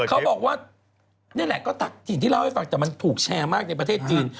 เขาบอกว่านี่แหละก็ตักถิ่นที่เล่าให้ฟังแต่มันถูกแชร์มากในประเทศจีน